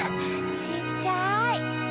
ちっちゃい！